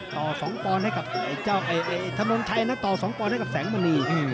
ต่อ๒ปอนด์ให้กับแสงมณี